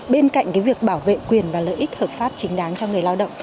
bên cạnh việc bảo vệ quyền và lợi ích hợp pháp chính đáng cho người lao động